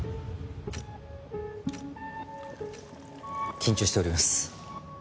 緊張しております。